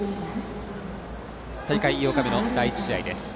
大会８日目の第１試合です。